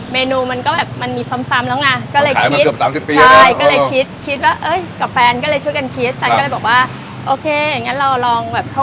เมนูมันก็แบบมันมีซ้ำแล้วไง